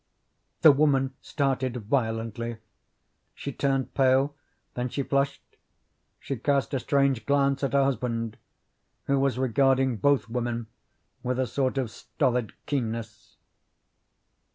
The woman started violently. She turned pale, then she flushed; she cast a strange glance at her husband, who was regarding both women with a sort of stolid keenness.